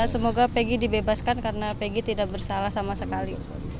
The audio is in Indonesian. semoga peggy dibebaskan karena pegg tidak bersalah sama sekali